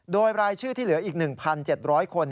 โดยรายชื่อที่เหลืออีก๑๗๐๐คน